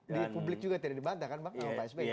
di publik juga tidak dibantah kan bang sama pak sby